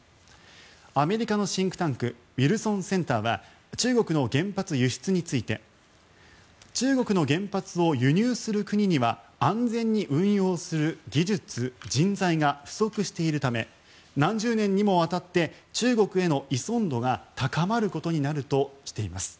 アメリカのシンクタンクウィルソンセンターは中国の原発輸出について中国の原発を輸入する国には安全に運用する技術・人材が不足しているため何十年にもわたって中国への依存度が高まることになるとしています。